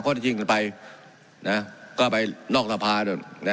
พอที่จริงกันไปนะก็ไปนอกทะพาด้วยนะ